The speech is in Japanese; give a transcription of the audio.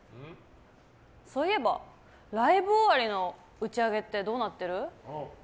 そういえば、ライブ終わりの打ち上げってどうなってる？